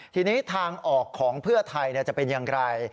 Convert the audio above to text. ทีนี้ทางออกของเพื่อไทยจะเป็นอย่างไร